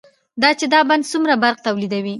دا چې دا بند څومره برق تولیدوي،